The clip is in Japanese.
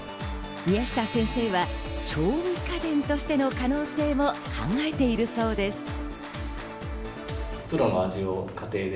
宮下先生は調味家電としての可能性も考えているそうです。